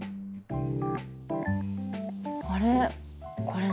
あれ？